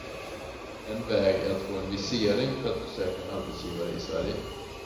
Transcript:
En väg är att få en visering för att besöka en arbetsgivare i Sverige.